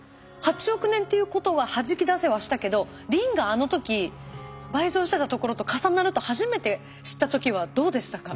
８億年っていうことははじき出せはしたけどリンがあの時倍増してたところと重なると初めて知った時はどうでしたか？